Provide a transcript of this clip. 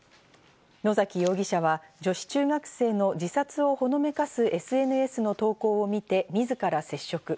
野崎容疑者は女子中学生の自殺をほのめかすＳＮＳの投稿を見て、自ら接触。